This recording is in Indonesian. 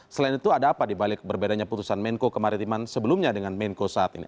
selain itu ada apa dibalik berbedanya putusan menko kemaritiman sebelumnya dengan menko saat ini